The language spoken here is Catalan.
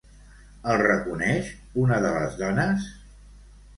El reconeix una de les dones?